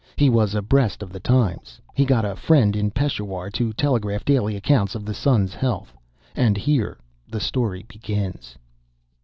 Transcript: He was abreast of the times. He got a friend in Peshawar to telegraph daily accounts of the son's health. And here the story begins.